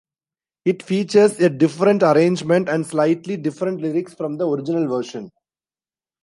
It features a different arrangement and slightly different lyrics from the original version.